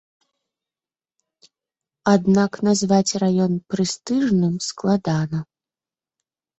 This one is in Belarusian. Аднак назваць раён прэстыжным складана.